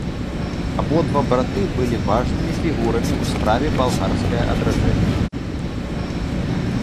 Абодва браты былі важнымі фігурамі ў справе балгарскае адраджэння.